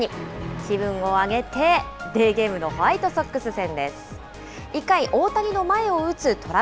気分を上げてデーゲームのホワイトソックス戦です。